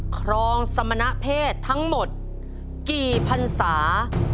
ครองสมณเพศทั้งหมดกี่พันศา